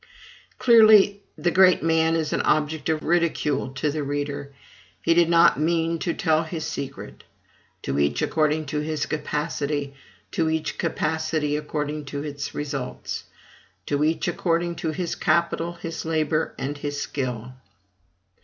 Clearly, the great man is an object of ridicule to the reader; he did not mean to tell his secret. "To each according to his capacity, to each capacity according to its results." "To each according to his capital, his labor, and his skill."